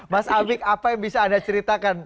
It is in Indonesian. mas abik apa yang bisa anda ceritakan